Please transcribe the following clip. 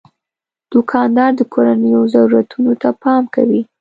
دوکاندار د کورنیو ضرورتونو ته پام کوي.